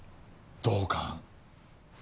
同感。